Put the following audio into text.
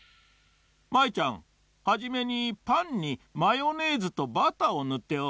舞ちゃんはじめにパンにマヨネーズとバターをぬっておこう。